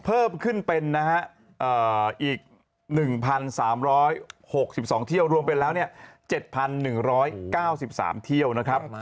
เพิ่มขึ้นเป็นนะฮะอีก๑๓๖๒เที่ยวรวมเป็นแล้ว๗๑๙๓เที่ยวนะครับ